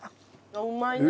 うまいな。